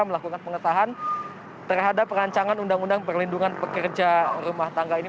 melakukan pengesahan terhadap rancangan undang undang perlindungan pekerja rumah tangga ini